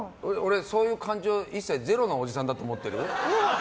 そういう感情一切ゼロのおじさんだと思ってる？